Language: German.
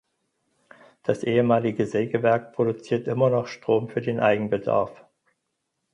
Das ehemalige Sägewerk produziert immer noch Strom für den Eigenbedarf.